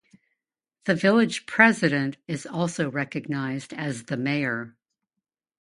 The village president is also recognized as the mayor.